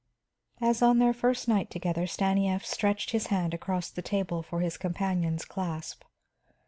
As on their first night together, Stanief stretched his hand across the table for his companion's clasp.